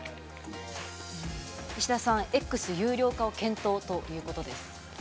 石田さん、「Ｘ」有料化を検討ということです。